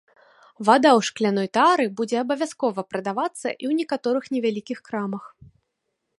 Вада ў шкляной тары будзе абавязкова прадавацца і ў некаторых невялікіх крамах.